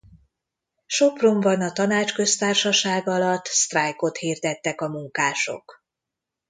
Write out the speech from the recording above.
Sopronban a Tanácsköztársaság alatt sztrájkot hirdettek a munkások.